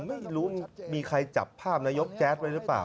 ไม่รู้มีใครจับภาพนายกแจ๊ดไว้หรือเปล่า